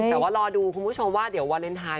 แต่ว่ารอดูคุณผู้ชมว่าเดี๋ยววาเลนไทย